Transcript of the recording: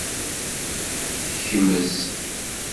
Kmez.